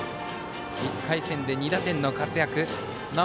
１回戦で２打点の活躍。